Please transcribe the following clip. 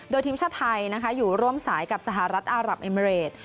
โดยทีมชาติไทยอยู่ร่วมสายกับสหรัฐอารับเอเมริด